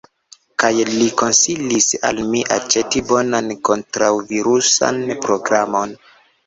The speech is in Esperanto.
Kaj li konsilis al mi aĉeti bonan kontraŭvirusan programon.